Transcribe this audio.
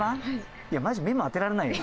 いやマジ目も当てられないよ。